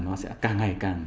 nó sẽ càng ngày càng lớn